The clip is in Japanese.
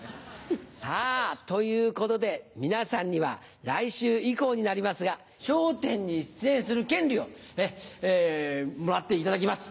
さぁということで皆さんには来週以降になりますが『笑点』に出演する権利をもらっていただきます。